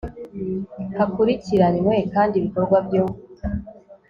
hakurikiranwe kandi ibikorwa byo